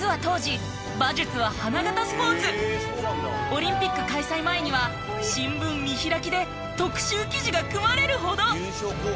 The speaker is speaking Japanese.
実はオリンピック開催前には新聞見開きで特集記事が組まれるほど！